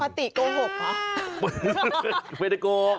เดี๋ยวปกติโกหกเหรอ